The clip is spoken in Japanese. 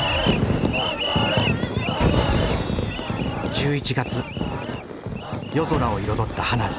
１１月夜空を彩った花火。